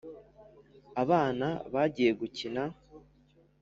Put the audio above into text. abana bagiye gukina